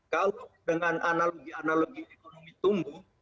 kalau dengan analogi analogi ekonomi tumbuh